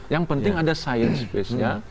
yang penting ada science base ya